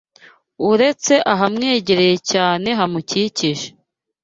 uretse ahamwegereye cyane hamukikije